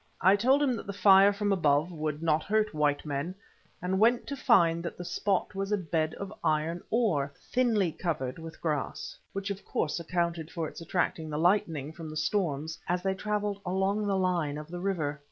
I told him that the fire from above would not hurt white men, and went to find that the spot was a bed of iron ore, thinly covered with grass, which of course accounted for its attracting the lightning from the storms as they travelled along the line of the river.